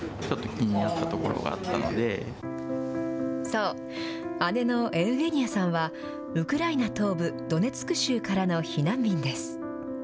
そう、姉のエウゲニアさんは、ウクライナ東部ドネツク州からの避難民です。